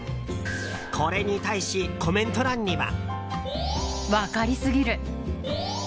これに対し、コメント欄には。